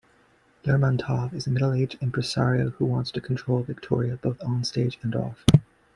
Lermontov is a middle-aged impresario who wants to control Victoria, both on-stage and off.